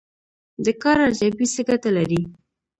د کار ارزیابي څه ګټه لري؟